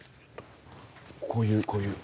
こういうこういう。